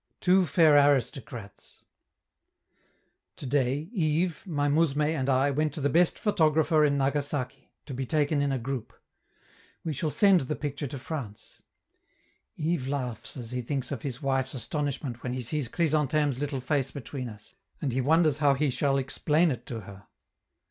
TWO FAIR ARISTOCRATS Today, Yves, my mousme and I went to the best photographer in Nagasaki, to be taken in a group. We shall send the picture to France. Yves laughs as he thinks of his wife's astonishment when she sees Chrysantheme's little face between us, and he wonders how he shall explain it to her.